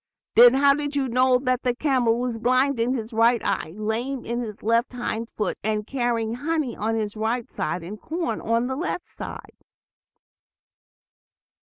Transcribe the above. "Then how did you know that the camel was blind in his right eye, lame in his left hind foot, and carrying honey on the right side, and corn on the left side?"